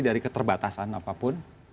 dari keterbatasan apapun